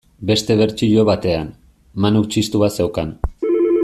Beste bertsio batean, Manuk txistu bat zeukan.